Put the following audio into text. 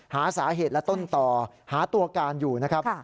หาสาเหตุและต้นต่อหาตัวการอยู่นะครับ